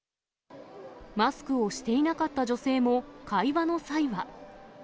マスクをしていなかった女性も、会話の際は。